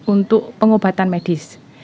untuk pengobatan medis